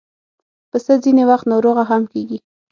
پسه ځینې وخت ناروغه هم کېږي.